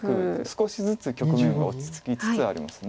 少しずつ局面は落ち着きつつあります。